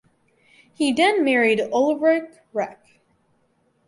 He then married Ulrike Reck.